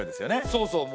そうそう。